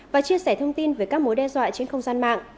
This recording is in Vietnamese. và chia sẻ thông tin về các mối đe dọa trên không gian mạng